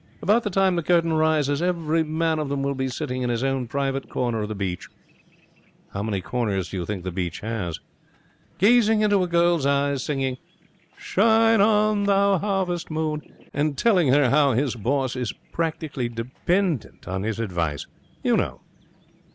About the time the curtain rises every man of them will be sitting in his own private corner of the beach ' 'How many corners do you think the beach has?' 'Gazing into a girl's eyes, singing, "Shine on, thou harvest moon", and telling her how his boss is practically dependent on his advice. You know.'